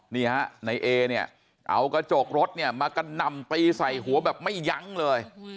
นี่ฮะในเอเนี่ยเอากระจกรถเนี่ยมากระหน่ำตีใส่หัวแบบไม่ยั้งเลย